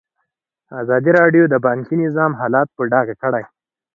ازادي راډیو د بانکي نظام حالت په ډاګه کړی.